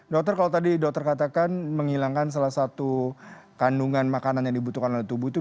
dokter kalau tadi dokter katakan menghilangkan salah satu kandungan makanan yang dibutuhkan oleh tubuh itu